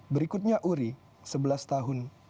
berikutnya uri sebelas tahun